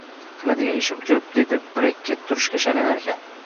Qiladigan ishim ko`p, dedi Brekket turishga shaylanarkan